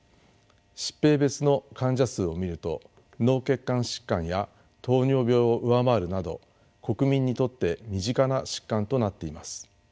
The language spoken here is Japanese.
疾病別の患者数を見ると脳血管疾患や糖尿病を上回るなど国民にとって身近な疾患となっています。